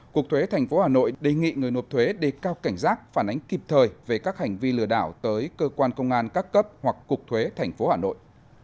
cục thuế thành phố hà nội đề nghị người nộp thuế để cao cảnh giác phản ánh kịp thời về các hành vi lừa đảo tới cơ quan công an các cấp hoặc cục thuế thành phố hà nội